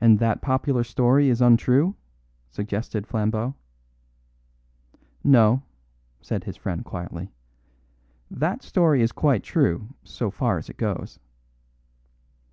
"And that popular story is untrue?" suggested Flambeau. "No," said his friend quietly, "that story is quite true, so far as it goes."